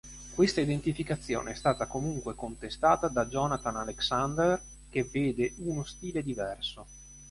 Questa identificazione è stata comunque contestata da Jonathan Alexander che vede uno stile diverso.